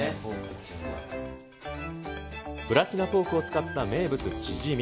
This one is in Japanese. プラチナポークを使った名物、チヂミ。